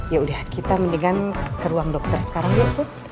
ya udah kita mendingan ke ruang dokter sekarang dulu